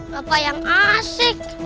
lapa yang asik